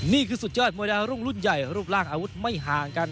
นี่คือสุดยอดมวยดาวรุ่งรุ่นใหญ่รูปร่างอาวุธไม่ห่างกัน